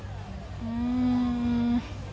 うん。